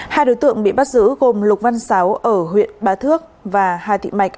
hai đối tượng bị bắt giữ gồm lục văn sáo ở huyện ba thước và hà thị mạch